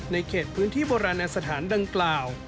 เขตพื้นที่โบราณสถานดังกล่าว